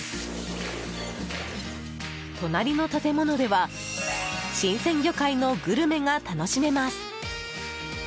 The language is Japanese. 隣の建物では新鮮魚介のグルメが楽しめます。